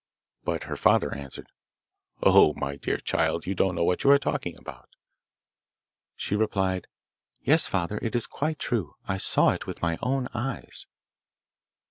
But her father answered, 'Oh, my dear child, you don't know what you are talking about.' She replied, 'Yes, father, it is quite true. I saw it with my own eyes.